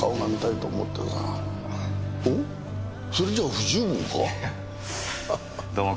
それじゃあ不十分か？